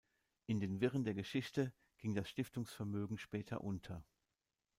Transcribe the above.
In den Wirren der Geschichte ging das Stiftungsvermögen später unter.